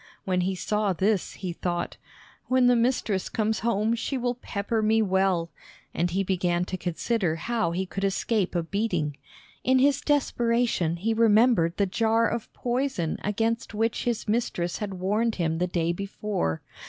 When he saw this, he thought: "When the mistress comes home she will pepper me well," and he began to consider how he could escape a beating. In his desperation he remembered the jar of poison against which his mistress had warned him the day before.